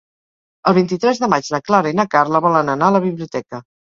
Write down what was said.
El vint-i-tres de maig na Clara i na Carla volen anar a la biblioteca.